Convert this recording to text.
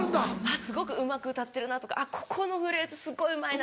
「すごくうまく歌ってるな」とか「ここのフレーズすごいうまいな」。